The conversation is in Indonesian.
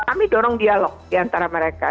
kami dorong dialog diantara mereka